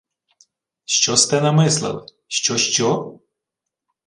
— Що сте намислили? Що, що!?